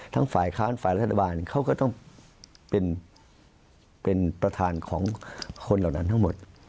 ฝ่ายค้านฝ่ายรัฐบาลเขาก็ต้องเป็นประธานของคนเหล่านั้นทั้งหมด